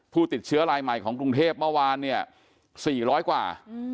ผู้ติดเชื้อรายใหม่ของกรุงเทพเมื่อวานเนี่ย๔๐๐กว่า